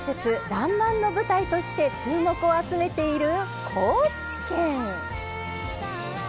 「らんまん」の舞台として注目を集めている高知県